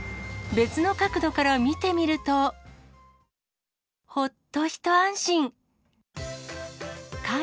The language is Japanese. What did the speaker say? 別の角度から見てみると、ほっと一安心。